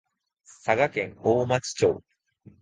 佐賀県大町町